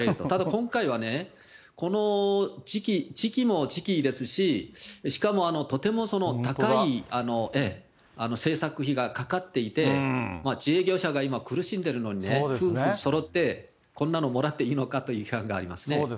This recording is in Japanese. ただ今回はね、この時期も時期ですし、しかもとても高い製作費がかかっていて、自営業者が今苦しんでるのにね、夫婦そろって、こんなのもらっていいのかという批判がありますね。